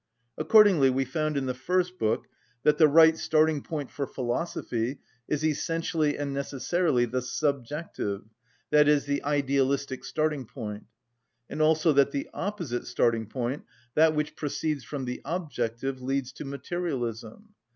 Accordingly we found in the first book that the right starting‐point for philosophy is essentially and necessarily the subjective, i.e., the idealistic starting‐point; and also that the opposite starting‐point, that which proceeds from the objective, leads to materialism.